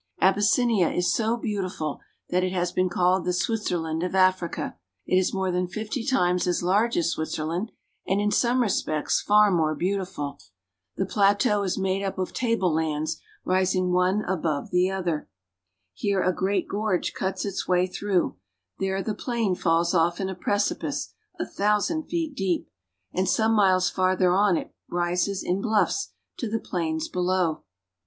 Aby.ssinia is so beautiful that it has been called the Switzerland of Africa. It is more than fifty times as large as Switzerland, and in some respects far more beautiful. The plateau is made up of tablelands rising one above ^Htfae THE R(.)OF OF AKRICA — AflYSSINlA 123 the other. Here a great gorge cuts its way through, there the plain falls off in a precipice a thousand feet deep, and some miles farther on it rises in bluffs to the plains above.